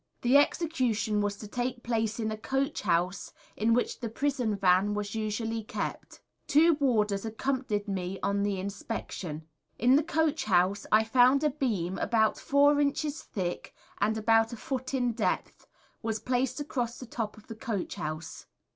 The execution was to take place in a Coach house in which the Prison Van was usually kept. Two Warders accompanied me on the inspection. In the Coach house I found a Beam about four inches thick, and about a foot in depth, was placed across the top of the Coach house.